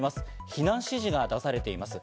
避難指示が出されています。